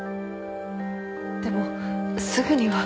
でもすぐには。